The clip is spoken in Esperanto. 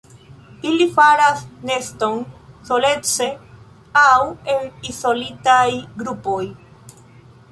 Ili faras neston solece aŭ en izolitaj grupoj.